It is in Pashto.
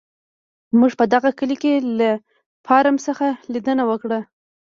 موږ په دغه کلي کې له فارم څخه لیدنه وکړه.